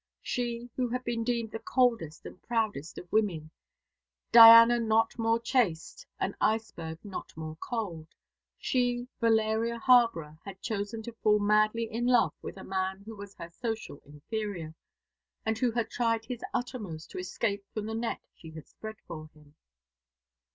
She, who had been deemed the coldest and proudest of women Diana not more chaste, an iceberg not more cold she, Valeria Harborough, had chosen to fall madly in love with a man who was her social inferior, and who had tried his uttermost to escape from the net she had spread for him.